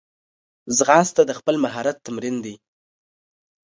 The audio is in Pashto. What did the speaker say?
ځغاسته د خپل مهارت تمرین دی